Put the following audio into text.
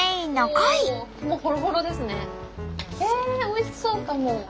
おいしそうかも。